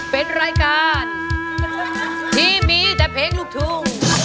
เป็นรายการที่มีแต่เพลงลูกทุ่ง